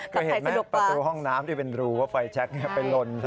เคยเห็นไหมประตูห้องน้ำที่เป็นรูว่าไฟแชคไปลน